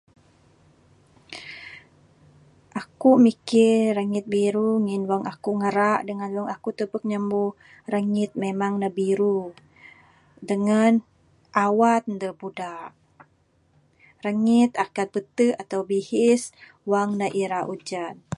Akuk mikir rangit biru ngin wang akuk ngarak dengan wang akuk tebuk nyambu rangit memang ne biru dengan awan da buda'. Rangit akan pitu' atau bihis wang ne ira ujan.